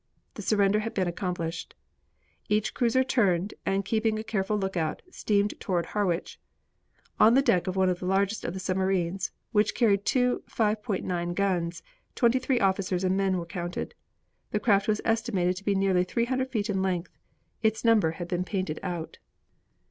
The surrender had been accomplished. Each cruiser turned, and, keeping a careful lookout, steamed toward Harwich. On the deck of one of the largest of the submarines, which carried two 5.9 guns, twenty three officers and men were counted. The craft was estimated to be nearly 300 feet in length. Its number had been painted out.